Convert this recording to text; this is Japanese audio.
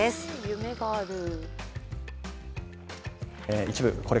夢がある。